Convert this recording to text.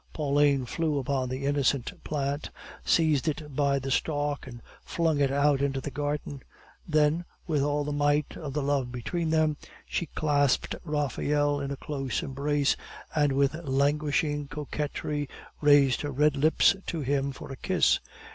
Pauline flew upon the innocent plant, seized it by the stalk, and flung it out into the garden; then, with all the might of the love between them, she clasped Raphael in a close embrace, and with languishing coquetry raised her red lips to his for a kiss.